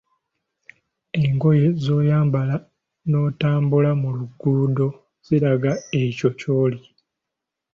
Engoye z‘oyambala n‘otambula mu luguudo ziraga ekyo ky‘oli.